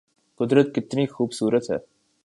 قدرت کتنی خوب صورت ہے